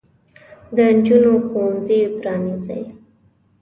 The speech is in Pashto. د نجونو ښوونځي پرانیزئ.